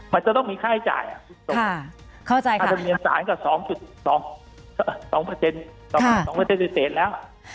มันจะต้องมีค่าให้จ่ายถ้ามีสารกับ๒แล้ว